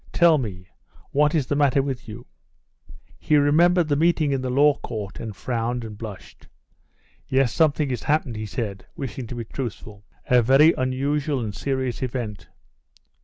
"Tell me, what is the matter with you?" He remembered the meeting in the law court, and frowned and blushed. "Yes, something has happened," he said, wishing to be truthful; "a very unusual and serious event."